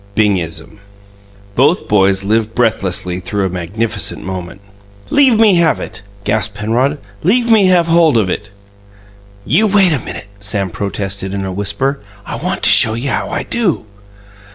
BINGISM Both boys lived breathlessly through a magnificent moment. "Leave me have it!" gasped Penrod. "Leave me have hold of it!" "You wait a minute!" Sam protested, in a whisper. "I want to show you how I do."